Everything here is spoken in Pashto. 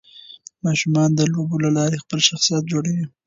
ماشومان د لوبو له لارې خپل شخصيت جوړوي.